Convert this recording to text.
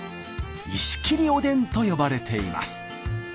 「石切おでん」と呼ばれています。